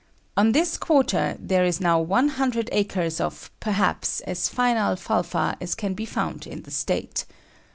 On this quarter there is now 100 acres of, perhaps, as fine alfalfa as can be found in the state.